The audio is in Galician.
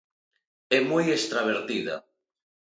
É moi extravertida.